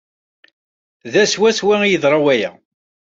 Da swaswa ay yeḍra waya.